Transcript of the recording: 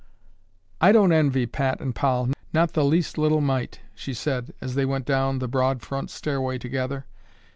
"I don't envy Pat and Poll, not the least little mite," she said as they went down the broad front stairway together.